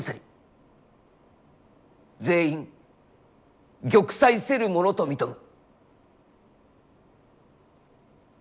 全員玉砕せるものと認む。